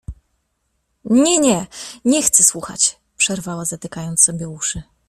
— Nie, nie… nie chcę słuchać — przerwała, zatykając sobie uszy.